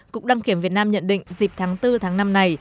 cục đăng kiểm việt nam nhận định dịp tháng bốn tháng năm này